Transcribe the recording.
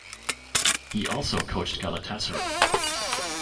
He also coached Galatasaray.